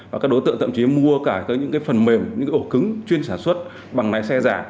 và các đối tượng thậm chí mua cả những phần mềm những cái ổ cứng chuyên sản xuất bằng lái xe giả